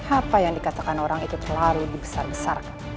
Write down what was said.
apa yang dikatakan orang itu terlalu besar besar